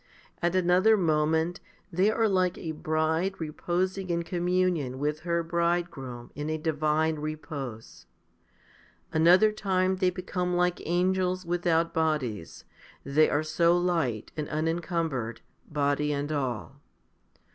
At another moment they are like a bride reposing in com munion with her bridegroom in a divine repose. Another time they become like angels without bodies, they are so light and unencumbered, body and all.